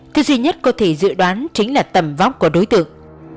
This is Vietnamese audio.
thứ duy nhất có thể dự đoán chính là tầm vóc của đối tượng